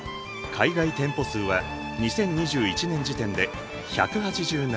海外店舗数は２０２１年時点で１８７。